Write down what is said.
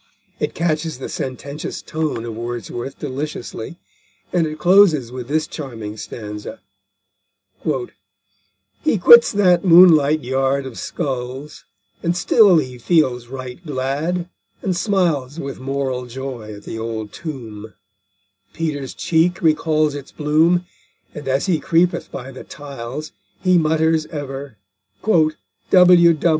It catches the sententious tone of Wordsworth deliciously, and it closes with this charming stanza: _He quits that moonlight yard of skulls, And still he feels right glad, and smiles With moral joy at that old tomb; Peter's cheek recalls its bloom, And as he creepeth by the tiles, He mutters ever "W.W.